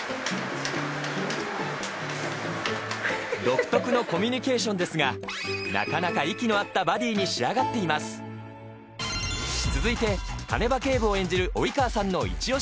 独特のコミュニケーションですがなかなか息の合ったバディに仕上がっています続いて鐘場警部を演じる及川さんのどう思う？